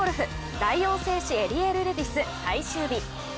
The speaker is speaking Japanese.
大王製紙エリエールレディス最終日。